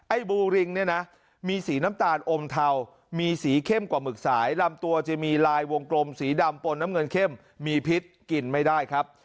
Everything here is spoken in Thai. บูริงเนี่ยนะมีสีน้ำตาลอมเทามีสีเข้มกว่าหมึกสายลำตัวจะมีลายวงกลมสีดำปนน้ำเงินเข้มมีพิษกินไม่ได้ครับ